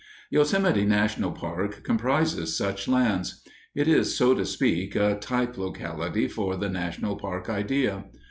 _ _Yosemite National Park comprises such lands. It is, so to speak, a type locality for the national park idea.